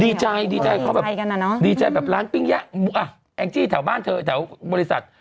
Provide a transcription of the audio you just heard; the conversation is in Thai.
ดีใจดีใจเขาแบบร้านปิ้งยะแองจิแถวบ้านเธอแถวบริษัท